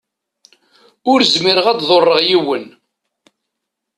Ur zmireɣ ad ḍurreɣ yiwen.